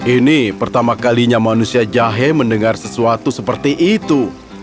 ini pertama kalinya manusia jahe mendengar sesuatu seperti itu